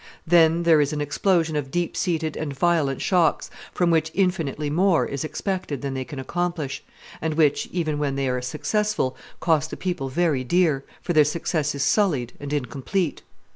Then there is an explosion of deep seated and violent shocks, from which infinitely more is expected than they can accomplish, and which, even when they are successful, cost the people very dear, for their success is sullied and incomplete.